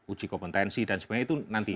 uji kompetensi dan sebagainya itu nanti